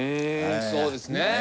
そうですね。